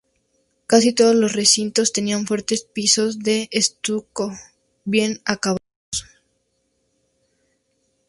Casi todos los recintos tenían fuertes pisos de estuco bien acabados.